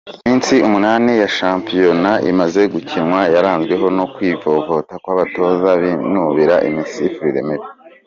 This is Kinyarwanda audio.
Iminsi umunani ya shampiyona imaze gukinwa yaranzwe no kwivovota kw’abatoza binubira imisifurire mibi.